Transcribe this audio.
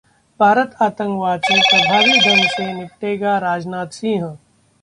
भारत आतंकवाद से प्रभावी ढंग से निपटेगा: राजनाथ सिंह